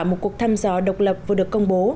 một cuộc thăm dò độc lập vừa được công bố